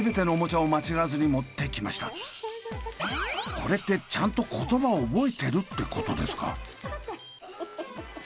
これってちゃんと言葉を覚えてるってことですか？